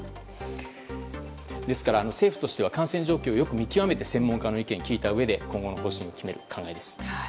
ですから、政府としては感染状況をよく見極めて専門家の意見を聞いたうえで今後の方針を決める考えです。